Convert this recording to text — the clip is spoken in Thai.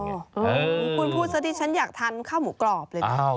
คุณพูดซะที่ฉันอยากทานข้าวหมูกรอบเลยนะ